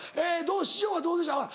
師匠はどうでした？